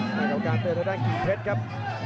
ในโอกาสเตยทะด้านกิ่งเพชรครับ